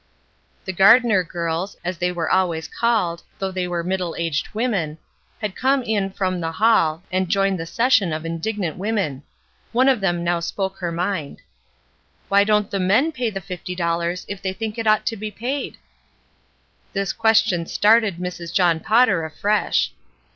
The Gardner girls, as they were always caUed, A WOMAN OF HER WORD 355 though they were middle aged women, had come in from the hall, and joined the session of indignant women; one of them now spoke her mind: — ''Why don't the men pay the fifty dollars, if they think it ought to be paid?" This question started Mrs. John Potter afresh.